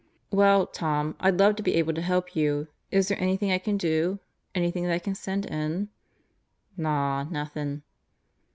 "Well, Tom, I'd love to be able to help you. Is there anything I can do? Anything that I can send in?" "Naw. Nothing."